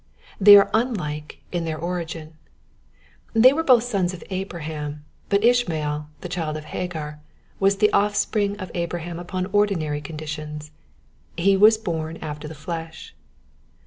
They are unlike in their origin. They were both sons of Abraham; but Ishmael, the child of Hagar, was the offspring of Abraham upon ordinary conditions : he was bom after the flesh.